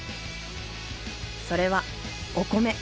それはお米。